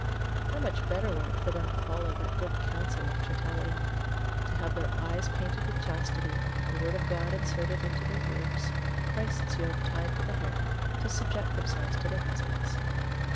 How much better were it for them to follow that good counsel of Tertullian? To have their eyes painted with chastity, the Word of God inserted into their ears, Christ's yoke tied to the hair, to subject themselves to their husbands.